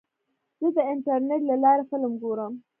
زه د انټرنیټ له لارې فلم ګورم.